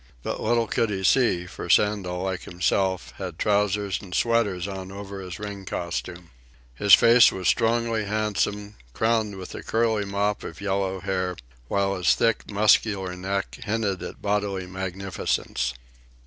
But little could he see, for Sandel, like himself, had trousers and sweater on over his ring costume. His face was strongly handsome, crowned with a curly mop of yellow hair, while his thick, muscular neck hinted at bodily magnificence.